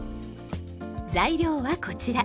材料はこちら。